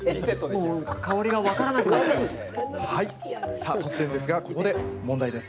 さあ突然ですがここで問題です。